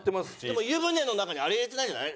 でも湯船の中にあれ入れてないんじゃない？